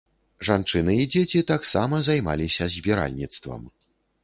Жанчыны і дзеці таксама займаліся збіральніцтвам.